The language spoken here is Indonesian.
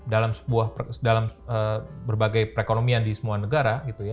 dalam berbagai perekonomian di semua negara